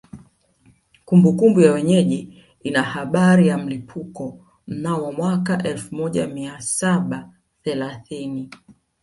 Kumbukumbu ya wenyeji ina habari ya mlipuko mnamo mwaka elfu moja mia saba thelathini